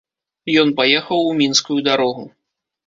Ён паехаў у мінскую дарогу.